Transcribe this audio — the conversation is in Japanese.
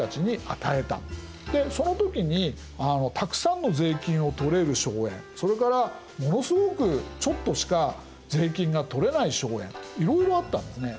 でその時にたくさんの税金を取れる荘園それからものすごくちょっとしか税金が取れない荘園いろいろあったんですね。